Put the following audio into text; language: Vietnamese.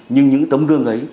nhưng những tấm gương ấy